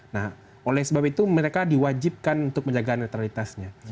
nah oleh sebab itu mereka diwajibkan untuk menjaga netralitasnya